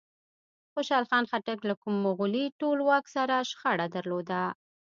خوشحال خټک له کوم مغولي ټولواک سره شخړه درلوده؟